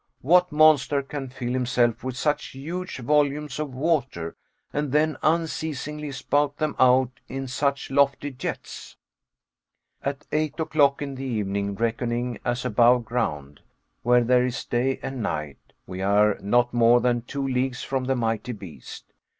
What monster can fill himself with such huge volumes of water, and then unceasingly spout them out in such lofty jets? At eight o'clock in the evening, reckoning as above ground, where there is day and night, we are not more than two leagues from the mighty beast.